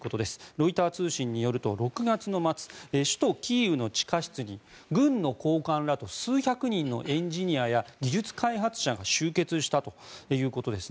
ロイター通信によると６月末首都キーウの地下室に軍の高官らと数百人のエンジニアや技術開発者が集結したということです。